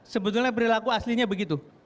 sebetulnya perilaku aslinya begitu